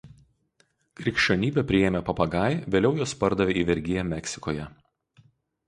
Krikščionybę priėmę papagai vėliau juos pardavė į vergiją Meksikoje.